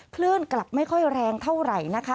คลื่นกลับไม่ค่อยแรงเท่าไหร่นะคะ